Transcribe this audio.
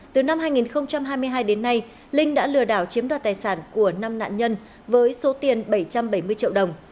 từ năm hai nghìn hai mươi hai đến nay linh đã lừa đảo chiếm đoạt tài sản của năm nạn nhân với số tiền bảy trăm bảy mươi triệu đồng